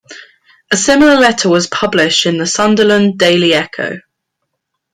A similar letter was published in the "Sunderland Daily Echo".